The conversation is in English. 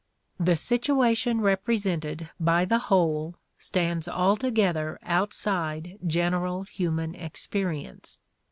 The situation represented by the whole stands altogether outside general human experience.